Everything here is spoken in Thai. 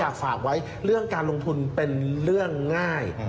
ฝากไว้เรื่องการลงทุนเป็นเรื่องง่าย